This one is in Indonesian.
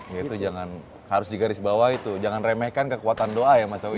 ya itu jangan harus di garis bawah itu jangan remehkan kekuatan doa ya mas awya